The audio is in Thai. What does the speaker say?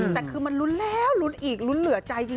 แต่คือมันลุ้นแล้วลุ้นอีกลุ้นเหลือใจจริง